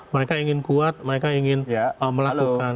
mereka ingin kuat mereka ingin melakukan